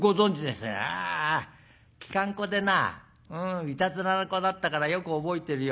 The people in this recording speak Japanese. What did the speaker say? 「ああきかんこでないたずらな子だったからよく覚えてるよ。